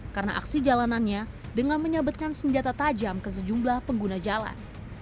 karena aksi jalanannya dengan menyabetkan senjata tajam ke sejumlah pengguna jalan